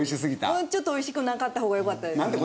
もうちょっと美味しくなかった方がよかった。なんて